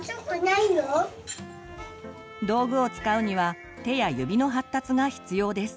道具を使うには手や指の発達が必要です。